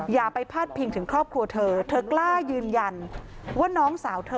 อย่าไปพาดพิงถึงครอบครัวเธอเธอกล้ายืนยันว่าน้องสาวเธอ